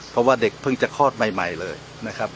เพราะว่าเด็กเพิ่งจะคลอดใหม่เลยนะครับ